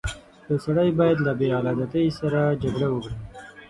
• یو سړی باید له بېعدالتۍ سره جګړه وکړي.